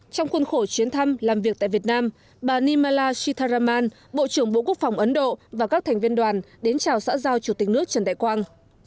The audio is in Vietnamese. trong khuôn khổ chuyến thăm làm việc tại việt nam bà nimela sitaraman bộ trưởng bộ quốc phòng ấn độ và các thành viên đoàn đến chào xã giao chủ tịch nước trần đại quang